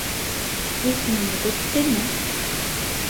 Өс минут үттеме?